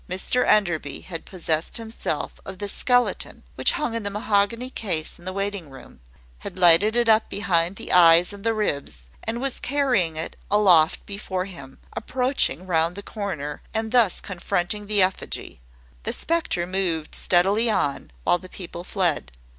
Mr Enderby had possessed himself of the skeleton which hung in the mahogany case in the waiting room, had lighted it up behind the eyes and the ribs, and was carrying it aloft before him, approaching round the corner, and thus confronting the effigy. The spectre moved steadily on, while the people fled.